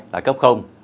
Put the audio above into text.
là cấp